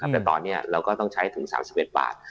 แต่ตอนนี้เราก็ต้องใช้ถึง๓๑บาท